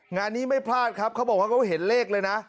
งานนี้ไม่พลาดครับเขาบอกว่าเขาเห็นเลขเลยนะ